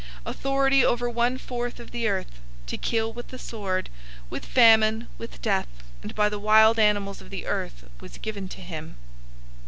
Authority over one fourth of the earth, to kill with the sword, with famine, with death, and by the wild animals of the earth was given to him.